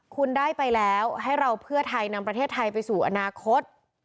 คุณได้ไปแล้วให้เราเพื่อไทยนำประเทศไทยไปสู่อนาคต